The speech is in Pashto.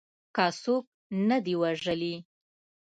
ما څوک نه دي وژلي.